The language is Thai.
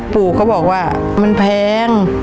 ปู่ก็บอกว่ามันแพง